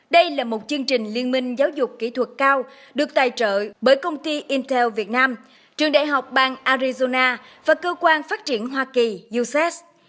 đây là một chương trình liên minh giáo dục kỹ thuật cao được tài trợ bởi công ty intel việt nam trường đại học bang arizona và cơ quan phát triển hoa kỳ ucedes